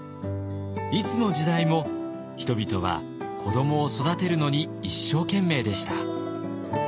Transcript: いつの時代も人々は子どもを育てるのに一生懸命でした。